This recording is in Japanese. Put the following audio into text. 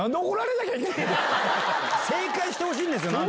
正解してほしいんですよ！